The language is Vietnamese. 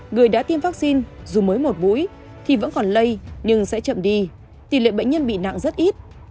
người đã tiêm vaccine dù mới một mũi thì vẫn còn lây nhưng sẽ chậm đi tỷ lệ bệnh nhân bị nặng rất ít